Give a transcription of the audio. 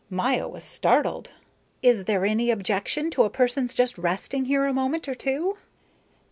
Maya was startled. "Is there any objection to a person's just resting here a moment or two?"